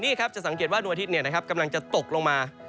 นี่ครับจะสังเกตว่าดวงอาทิตย์กำลังจะตกลงมา